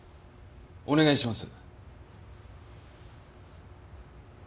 お願いします。